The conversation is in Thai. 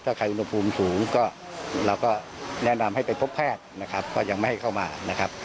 ถ้าใครอุณหภูมิสูงก็เราก็แนะนำให้ไปพบแพทย์นะครับก็ยังไม่ให้เข้ามานะครับ